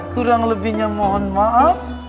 kurang lebihnya mohon maaf